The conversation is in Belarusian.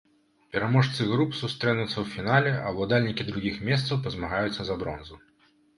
Пераможцы груп сустрэнуцца ў фінале, а ўладальнікі другіх месцаў пазмагаюцца за бронзу.